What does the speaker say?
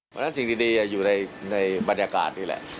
ขณะนี้สิ่งที่ดีอยู่ในบรรยากาศนี่แหละ